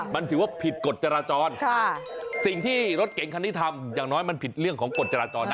มันถือว่าผิดกฎจราจรสิ่งที่รถเก่งคันนี้ทำอย่างน้อยมันผิดเรื่องของกฎจราจรนะ